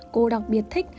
cô đọc biệt thích